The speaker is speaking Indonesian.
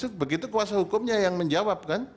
begitu kuasa hukumnya yang menjawab kan